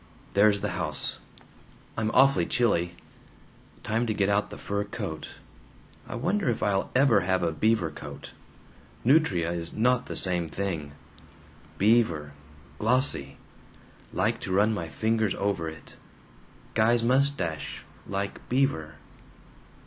"There's the house. I'm awfully chilly. Time to get out the fur coat. I wonder if I'll ever have a beaver coat? Nutria is NOT the same thing! Beaver glossy. Like to run my fingers over it. Guy's mustache like beaver.